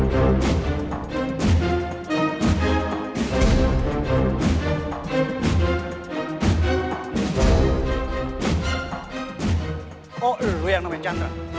karena dia udah mulia